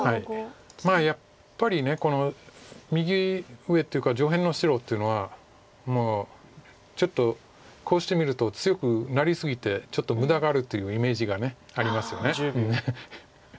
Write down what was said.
まあやっぱり右上っていうか上辺の白っていうのはちょっとこうしてみると強くなり過ぎてちょっと無駄があるというイメージがありますよね。